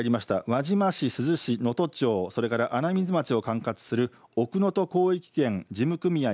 輪島市、珠洲市、能登町、それから穴水町を管轄する奥能登広域圏事務組合